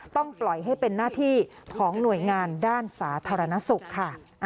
ปล่อยให้เป็นหน้าที่ของหน่วยงานด้านสาธารณสุขค่ะ